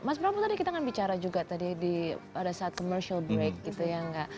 mas bram tadi kita kan bicara juga tadi pada saat commercial break gitu ya